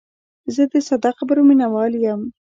زه د ساده خبرو مینوال یم.